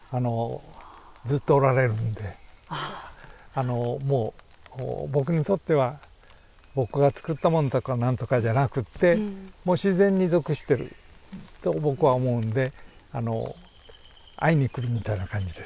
あのもう僕にとっては僕がつくったものだからなんとかじゃなくて自然に属してると僕は思うんであの会いに来るみたいな感じです。